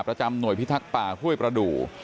ประจำหน่วยพิทักษ์ป่าห้วยประดูก